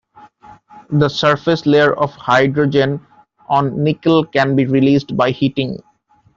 The surface layer of hydrogen on nickel can be released by heating.